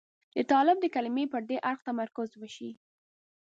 د طالب د کلمې پر دې اړخ تمرکز وشي.